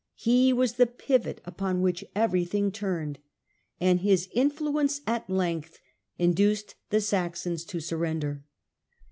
He was the pivot upon which everything turned, and his influence at length induced the Saxons to surrender.